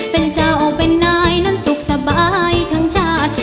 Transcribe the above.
เป็นเจ้าเป็นนายนั้นสุขสบายทั้งชาติ